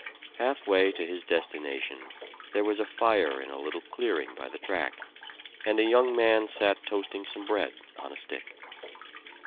Halfway to his destination there was a fire in a little clearing by the track, and a young man sat toasting some bread on a stick.